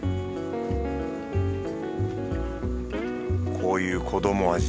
こういう子供味